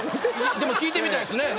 でも聞いてみたいっすね。